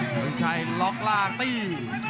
วันสินชัยล็อคล้างตี